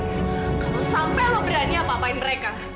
kalau sampai lo berani apa apain mereka